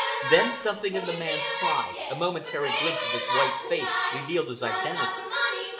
Then something in the man's cry, a momentary glimpse of his white face, revealed his identity.